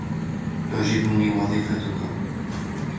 تعجبني وظيفتك.